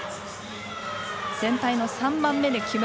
全体の３番目で木村